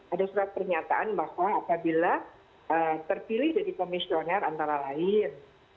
ada surat pernyataan bahwa apabila terpilih jadi komisioner antara lain